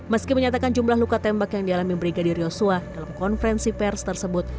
meski menyatakan jumlah luka tembak yang dialami brigadir yosua dalam konferensi pers tersebut